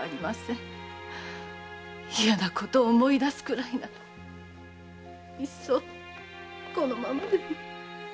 嫌なことを思い出すくらいならいっそこのままでも。